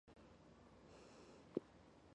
唐密秽迹金刚像上顶有释迦牟尼佛。